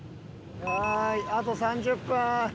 はーいあと３０分。